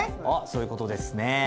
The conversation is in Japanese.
おっそういうことですね。